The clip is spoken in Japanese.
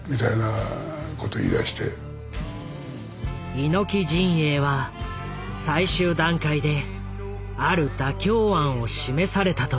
猪木陣営は最終段階である妥協案を示されたという。